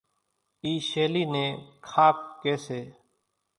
اِي شيلي نين کاڪ ڪي سي